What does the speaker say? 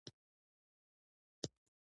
څنګه کولی شم د ګرځنده ډاټا بچت کړم